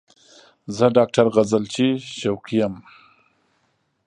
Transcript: زه ډاکټر غزلچی شوقی یم